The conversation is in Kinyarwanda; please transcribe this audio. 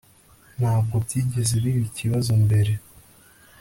Ntabwo byigeze biba ikibazo mbere